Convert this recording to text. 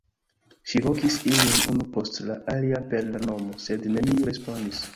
Ŝi vokis ilin unu post la alia per la nomo, sed neniu respondis.